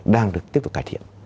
đang được tiếp tục cải thiện